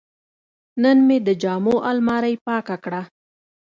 نن مې د جامو الماري پاکه کړه.